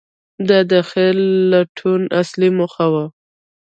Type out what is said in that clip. • دا د خیر لټول اصلي موخه وه.